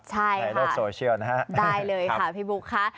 ในโลกโซเชียลนะครับ